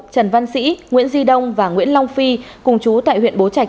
trần văn sĩ nguyễn duy đông và nguyễn long phi cùng chú tại huyện bố trạch